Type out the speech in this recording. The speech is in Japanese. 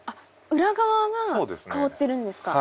裏側が香ってるんですか？